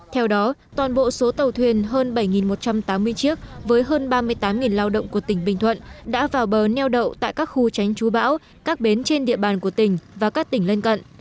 theo đó toàn bộ số tàu thuyền hơn bảy một trăm tám mươi chiếc với hơn ba mươi tám lao động của tỉnh bình thuận đã vào bờ neo đậu tại các khu tránh chú bão các bến trên địa bàn của tỉnh và các tỉnh lên cận